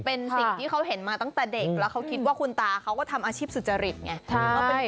เป็นสิ่งที่เขาเห็นมาตั้งแต่เด็กแล้วเขาคิดว่าคุณตาเขาก็ทำอาชีพสุจริตไง